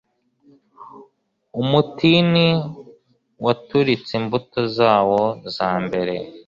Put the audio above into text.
umutini waturitse imbuto zawo za mbere